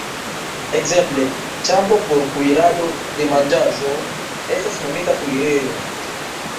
Ekzemple, ĉambro por kuirado de manĝaĵo estas nomita kuirejo.